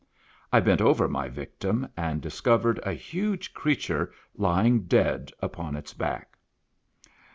I bent over my victim, and discovered a huge creature lying dead upon its back.